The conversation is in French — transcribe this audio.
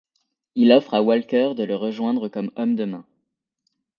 Il offre à Walker de le rejoindre comme homme de main.